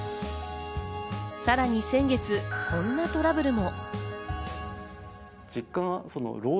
さらに先月、こんなトラブルも。